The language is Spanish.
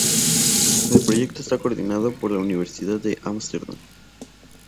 El proyecto está coordinado por la Universidad de Ámsterdam.